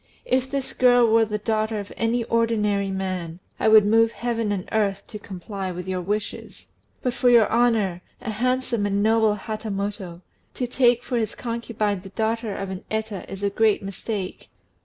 If this girl were the daughter of any ordinary man, I would move heaven and earth to comply with your wishes; but for your honour, a handsome and noble Hatamoto, to take for his concubine the daughter of an Eta is a great mistake.